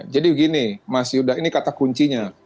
jadi begini mas yuda ini kata kuncinya